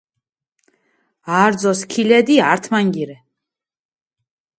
არძო სქილედი ართმანგი რე.